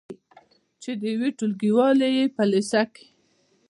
چې د یوې ټولګیوالې یې په لیسه کې